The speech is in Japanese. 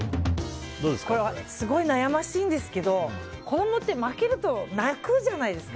すごい悩ましいんですけど子供って負けると泣くじゃないですか。